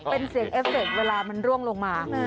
เป็นเศษเอฟเศษเวลามันร่วงลงมา